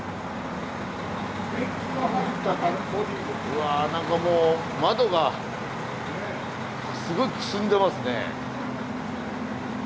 うわ何かもう窓がすごいくすんでますね。